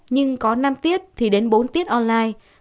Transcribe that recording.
nhưng có năm tiết thì đến bốn tiết online